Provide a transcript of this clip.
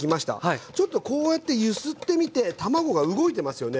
ちょっとこうやって揺すってみて卵が動いてますよね。